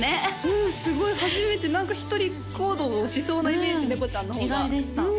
うんすごい初めて何か一人行動をしそうなイメージ猫ちゃんの方が意外でした